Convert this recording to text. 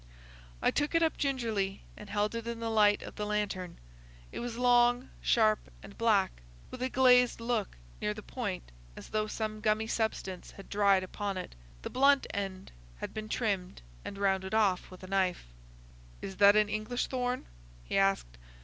I took it up gingerly and held it in the light of the lantern. It was long, sharp, and black, with a glazed look near the point as though some gummy substance had dried upon it. The blunt end had been trimmed and rounded off with a knife. "Is that an English thorn?" he asked.